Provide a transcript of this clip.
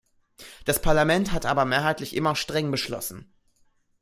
Das Parlament hat aber mehrheitlich immer streng beschlossen.